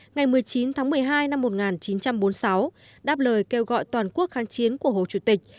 ngày một mươi chín tháng một mươi hai năm một nghìn chín trăm bốn mươi sáu đáp lời kêu gọi toàn quốc kháng chiến của hồ chủ tịch